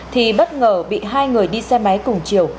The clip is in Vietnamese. thì bất ngờ bị hai người đi xe máy cùng chiều